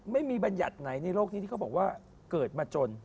บัญญัติไหนในโลกนี้ที่เขาบอกว่าเกิดมาจน